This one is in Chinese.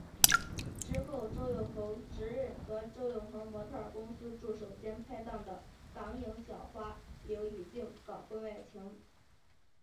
之后周永恒直认和周永恒模特儿公司助手兼拍档的港视小花刘依静搞婚外情。